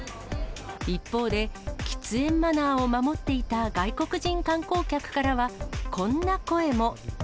一方で、喫煙マナーを守っていた外国人観光客からは、こんな声も。